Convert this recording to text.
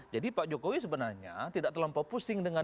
jadi pak jokowi sebenarnya tidak terlampau pusing dengan